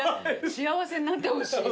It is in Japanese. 幸せになってほしい。